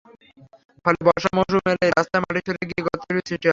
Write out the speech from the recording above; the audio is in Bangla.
ফলে বর্ষা মৌসুম এলেই রাস্তার মাটি সরে গিয়ে গর্তের সৃষ্টি হয়।